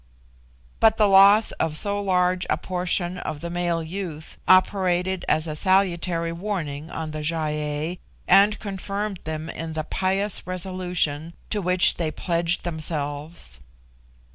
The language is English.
But the loss of so large a portion of the male youth operated as a salutary warning on the Gy ei, and confirmed them in the pious resolution to which they pledged themselves.